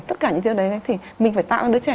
tất cả những điều đấy thì mình phải tạo ra đứa trẻ